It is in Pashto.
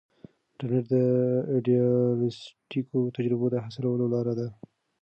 انټرنیټ د ایډیالیسټیکو تجربو د حاصلولو لار ده.